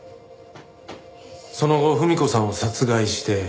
その後文子さんを殺害して。